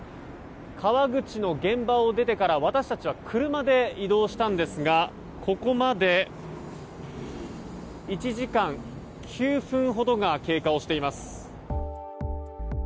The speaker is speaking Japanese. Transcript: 川口の現場を出てから私たちは車で移動したんですがここまで１時間９分ほどが経過をしています。